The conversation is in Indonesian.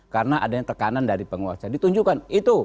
karena adanya tekanan dari penguasa ditunjukkan